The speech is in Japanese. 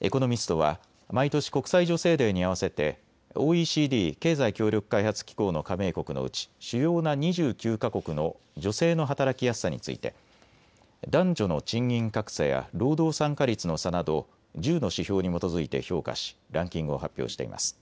エコノミストは毎年、国際女性デーに合わせてＯＥＣＤ・経済協力開発機構の加盟国のうち主要な２９か国の女性の働きやすさについて男女の賃金格差や労働参加率の差など１０の指標に基づいて評価しランキングを発表しています。